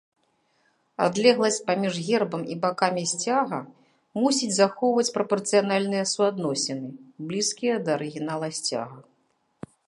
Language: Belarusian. Адлегласць паміж гербам і бакамі сцяга мусіць захоўваць прапарцыянальныя суадносіны, блізкія да арыгінала сцяга.